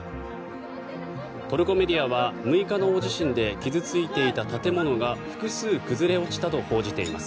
トルコメディアは６日の大地震で傷付いていた建物が複数崩れ落ちたと報じています。